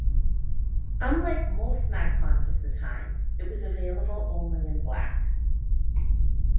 Unlike most Nikons of the time, it was available only in black.